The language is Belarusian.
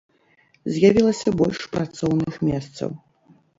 З'явілася больш працоўных месцаў.